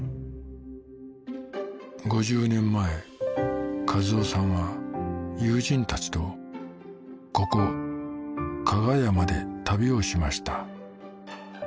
５０年前一男さんは友人たちとここ加賀屋まで旅をしました